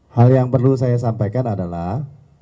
hal yang perlu saya sampaikan adalah